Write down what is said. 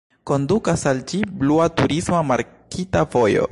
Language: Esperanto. Kondukas al ĝi blua turisma markita vojo.